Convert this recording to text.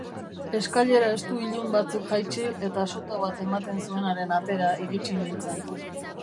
Eskailera estu ilun batzuk jaitsi eta soto bat ematen zuenaren atera iritsi nintzen.